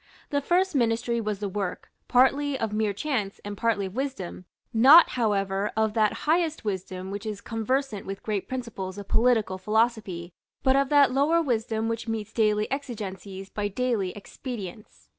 The first Ministry was the work, partly of mere chance, and partly of wisdom, not however of that highest wisdom which is conversant with great principles of political philosophy, but of that lower wisdom which meets daily exigencies by daily expedients.